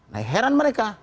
nah heran mereka